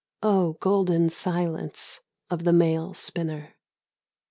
O golden silence of the male spinner